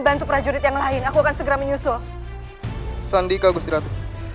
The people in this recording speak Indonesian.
bantu prajurit yang lain aku akan segera menyusul sandika gusti ratu